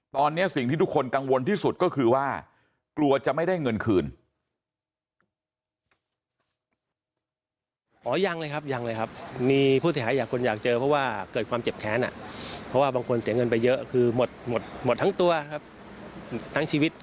ตอนนี้สิ่งที่ทุกคนกังวลที่สุดก็คือว่ากลัวจะไม่ได้เงินคืน